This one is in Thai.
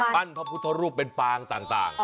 พระพุทธรูปเป็นปางต่าง